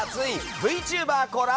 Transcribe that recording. ＶＴｕｂｅｒコラボ